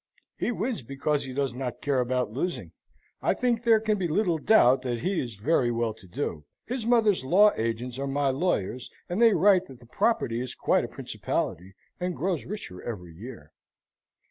"He wins because he does not care about losing. I think there can be little doubt but that he is very well to do. His mother's law agents are my lawyers, and they write that the property is quite a principality, and grows richer every year."